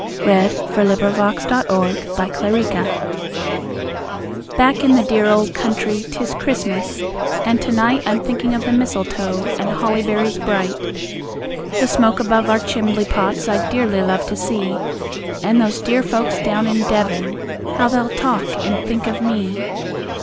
(He's at the gate!) The Dear Folks in Devon Back in the dear old country 'tis Christ mas, and to night I'm thinking of the mistletoe and holly berries bright. The smoke above our chimbley pots I'd dearly love to see, And those dear folks down in Devon, how they'll talk and think of me.